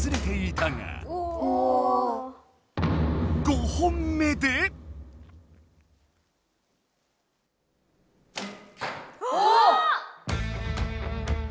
５本目で⁉おお！